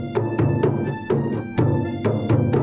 bahwa anak darovertes telah ilham